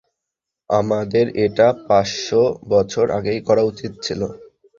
আমাদের এটা পাঁচশ বছর আগেই করা উচিত ছিল।